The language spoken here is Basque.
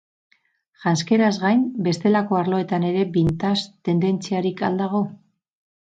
Janzkeraz gain bestelako arloetan ere vintage tendentziarik al dago?